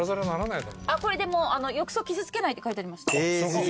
これでも浴槽傷つけないって書いてありました。